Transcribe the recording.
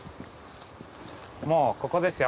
もうここですよ。